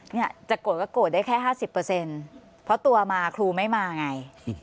เนี่ยจะโกรธก็โกรธได้แค่๕๐เพราะตัวมาครูไม่มาไง